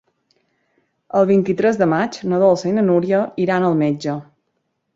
El vint-i-tres de maig na Dolça i na Núria iran al metge.